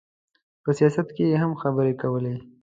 په سیاست کې یې هم خبرې کولې.